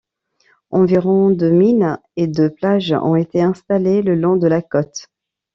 Environ de mines et de plage ont été installés le long de la côte.